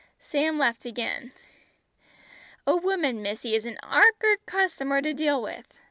Sam laughed again. "A woman, missy, is an ork'ard customer to deal with.